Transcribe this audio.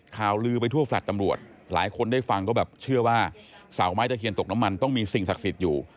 ข่าวลือไปทั่วแฟลต์ตำรวจหลายคนได้ฟังก็แบบเชื่อว่าเสาไม้ตะเคียนตกน้ำมันต้องมีสิ่งศักดิ์สิทธิ์อยู่